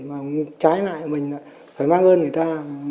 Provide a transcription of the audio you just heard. mà trái lại mình phải mang ơn người ta